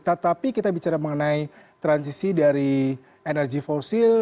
tetapi kita bicara mengenai transisi dari energi fosil